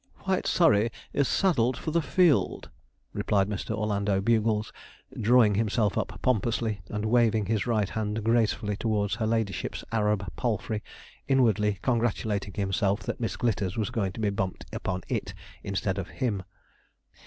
'White Surrey is saddled for the field,' replied Mr. Orlando Bugles, drawing himself up pompously, and waving his right hand gracefully towards her ladyship's Arab palfrey, inwardly congratulating himself that Miss Glitters was going to be bumped upon it instead of him.